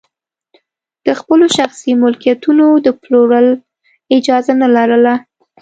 د خپلو شخصي ملکیتونو د پلور اجازه نه لرله.